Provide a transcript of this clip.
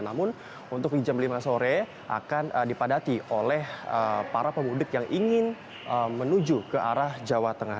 namun untuk jam lima sore akan dipadati oleh para pemudik yang ingin menuju ke arah jawa tengah